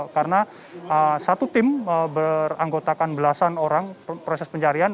karena satu tim beranggotakan belasan orang proses pencarian